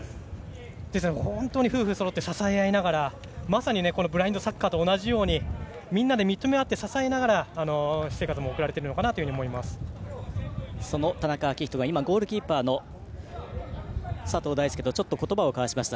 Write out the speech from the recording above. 本当に夫婦そろって支え合いながらまさにブラインドサッカーと同じようにみんなで認め合って支えながら私生活もその田中章仁がゴールキーパーの佐藤大介とちょっと言葉を交わしました。